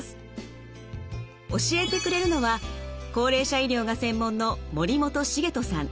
教えてくれるのは高齢者医療が専門の森本茂人さん。